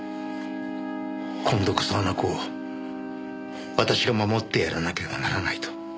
今度こそあの子を私が守ってやらなければならないと。